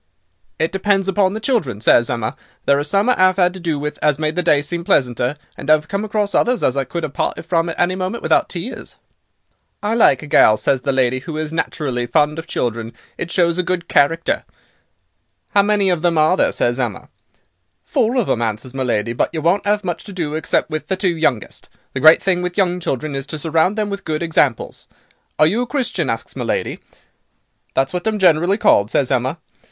"'It depends upon the children,' says Emma; 'there are some I 'ave 'ad to do with as made the day seem pleasanter, and I've come across others as I could 'ave parted from at any moment without tears.' "'I like a gal,' says the lady, 'who is naturally fond of children, it shows a good character.' "'How many of them are there?' says Emma. "'Four of them,' answers my lady, 'but you won't 'ave much to do except with the two youngest. The great thing with young children is to surround them with good examples. Are you a Christian?' asks my lady. "'That's what I'm generally called,' says Emma.